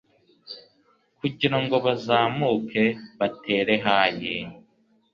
kugira ngo bazamuke batere hayi